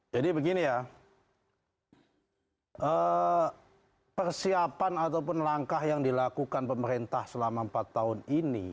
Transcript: jadi begini ya persiapan ataupun langkah yang dilakukan pemerintah selama empat tahun ini